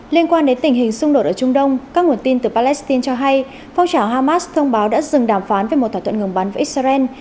liên quan đến tình hình xung đột ở trung đông các nguồn tin từ palestine cho hay phong trào hamas thông báo đã dừng đàm phán về một thỏa thuận ngừng bắn với israel